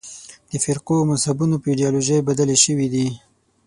د فرقو او مذهبونو په ایدیالوژۍ بدلې شوې دي.